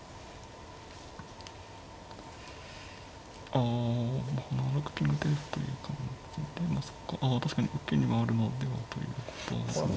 ああ７六金でっていう感じでまあそっか確かに受けに回るのではということですね。